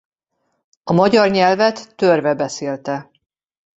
A magyar nyelvet törve beszélte.